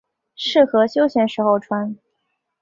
适合休闲时候穿。